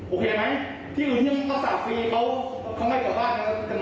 โอเคไหมที่ทำสาธิภาพฟรีเขาไม่ความเจ้าบ้าน